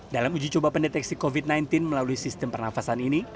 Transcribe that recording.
dalam uji coba pendeteksi covid sembilan belas melalui sistem pernafasan ini